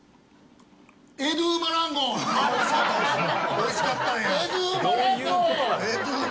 おいしかったんや。